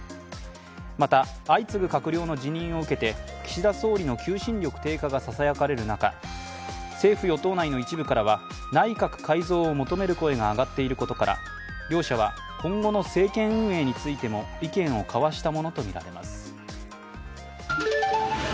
また、相次ぐ閣僚の辞任を受けて岸田総理の求心力低下がささやかれる中政府・与党内の一部からは内閣改造を求める声が上がっていることから両者は今後の政権運営についても意見を交わしたものとみられます。